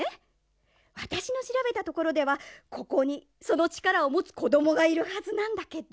わたしのしらべたところではここにそのちからをもつこどもがいるはずなんだけど。